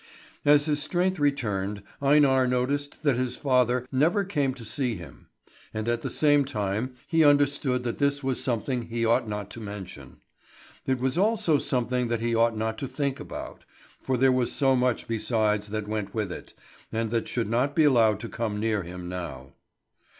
As his strength returned, Einar noticed that his father never came to see him; and at the same time he understood that this was something he ought not to mention. It was also something that he ought not to think about; for there was so much besides that went with it, and that should not be allowed to come near him now.